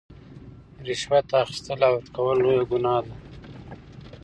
رشوت اخیستل او ورکول لویه ګناه ده.